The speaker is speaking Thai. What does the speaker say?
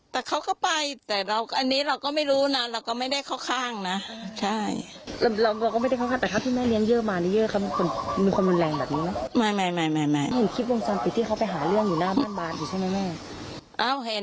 เห็นคลิปวงสรรค์ที่เขาไปหาเรื่องอยู่หน้าบ้านบ้านใช่ไหมแม่